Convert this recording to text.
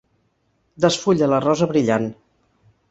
Desfulla la rosa brillant.